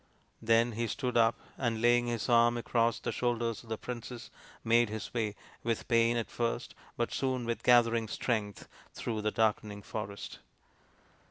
Then he stood up and, laying his arm across the shoulders of the princess, made his way, with pain at first, but soon with gathering strength, through the darkening forest.